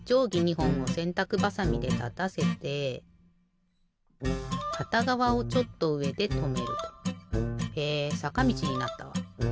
ほんをせんたくばさみでたたせてかたがわをちょっとうえでとめると。へえさかみちになったわ。